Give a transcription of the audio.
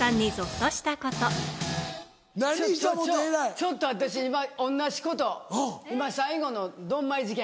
ちょっと私今同じこと今最後のドンマイ事件。